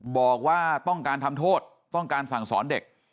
บอกว่าต้องการทำโทษต้องการสั่งสอนเด็ก